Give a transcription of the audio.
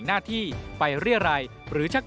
๕เงินจากการรับบริจาคจากบุคคลหรือนิติบุคคล